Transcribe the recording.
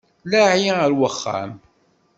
Laɛi ar wexxam!